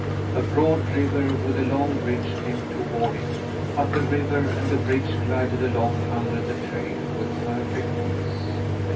A broad river with a long bridge came toward it, but the river and the bridge glided along under the train with perfect ease.